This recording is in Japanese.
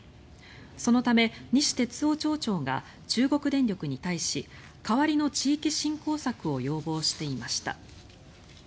そのため、西哲夫町長が中国電力に対し代わりの地域振興策を要望していました。